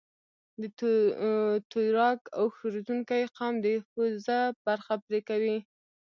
د تویراګ اوښ روزنکي قوم د پوزه برخه پرې کوي.